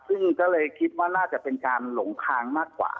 ซึ่งก็เลยคิดว่าน่าจะเป็นการหลงคางมากกว่า